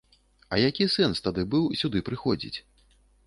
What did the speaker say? А які сэнс тады быў сюды прыходзіць?